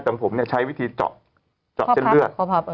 แต่ผมเนี่ยใช้วิธีเจาะเจ็บเลือด